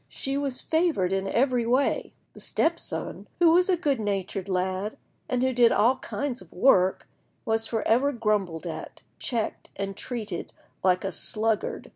She was favoured in every way. The step son, who was a good natured lad, and who did all kinds of work, was for ever grumbled at, checked, and treated like a sluggard.